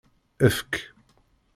Efk.